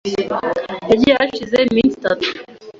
Yagiye hashize iminsi itatu.